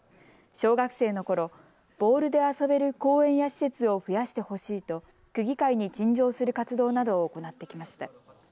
小学生のころ、ボールで遊べる公園や施設を増やしてほしいと区議会に陳情する活動などを行ってきました。